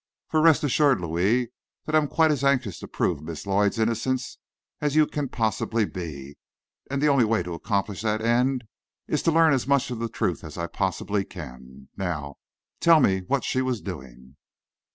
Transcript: For rest assured, Louis, that I am quite as anxious to prove Miss Lloyd's innocence as you can possibly be, and the only way to accomplish that end, is to learn as much of the truth as I possibly can. Now, tell me what she was doing."